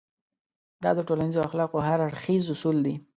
دا د ټولنيزو اخلاقو هر اړخيز اصول دی.